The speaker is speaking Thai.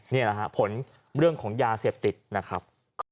นี่แหละฮะผลเรื่องของยาเสพติดนะครับ